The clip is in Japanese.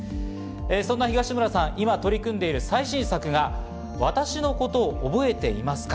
そんな東村さん、今取り組んでいる最新作が『私のことを憶えていますか』。